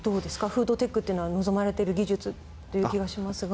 フードテックっていうのは望まれてる技術っていう気がしますが。